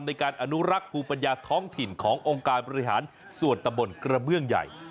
ในการอนุรักษ์ภูมิปัญญาท้องถิ่นขององค์การบริหารส่วนตะบนกระเบื้องใหญ่